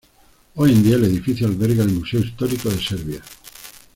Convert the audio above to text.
Hoy en día el edificio alberga el Museo Histórico de Serbia.